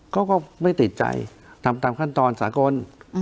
ก็ไม่ติดใจทำตามขั้นตอนสากล